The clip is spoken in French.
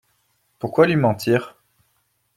Pourquoi lui mentir?